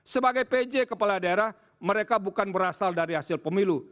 sebagai pj kepala daerah mereka bukan berasal dari hasil pemilu